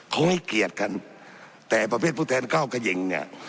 เขาไม่เกลียดกันแต่ประเภทผู้แทนก้าวกะเย็งเนี้ย